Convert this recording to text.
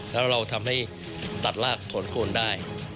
แล้วเราทำให้ตัดลากถอนโคนได้